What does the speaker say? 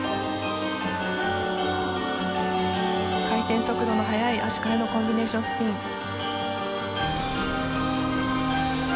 回転速度の速い足換えのコンビネーションスピン。